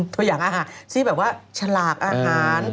ตัวอย่างอาหารที่แบบว่าฉลากอาหาร